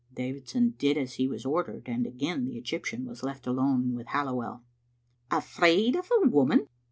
" Davidson did as he was ordered, and again the Egyp tian was left alone with Halliwell. "Afraid of a woman!"